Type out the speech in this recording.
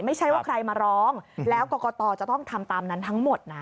ไม่ใช่ว่าใครมาร้องแล้วกรกตจะต้องทำตามนั้นทั้งหมดนะ